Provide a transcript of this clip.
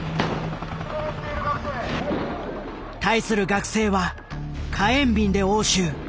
対する学生は火炎瓶で応酬。